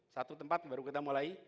satu tempat baru kita mulai